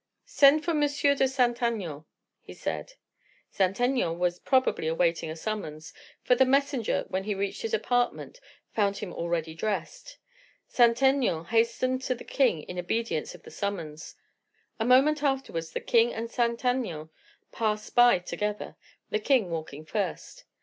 "Send for M. de Saint Aignan," he said. Saint Aignan was probably awaiting a summons, for the messenger, when he reached his apartment, found him already dressed. Saint Aignan hastened to the king in obedience to the summons. A moment afterwards the king and Saint Aignan passed by together the king walking first.